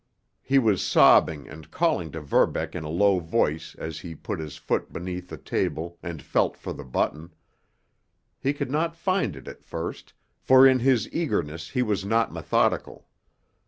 He was sobbing and calling to Verbeck in a low voice as he put his foot beneath the table and felt for the button. He could not find it at first, for in his eagerness he was not methodical.